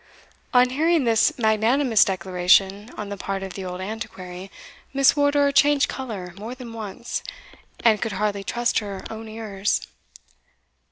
On hearing this magnanimous declaration on the part of the old Antiquary, Miss Wardour changed colour more than once, and could hardly trust her own ears.